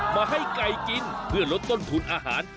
มาให้ไก่กินเพื่อลดต้นทุนอาหาร